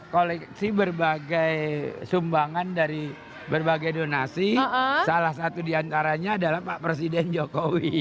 koleksi berbagai sumbangan dari berbagai donasi salah satu diantaranya adalah pak presiden jokowi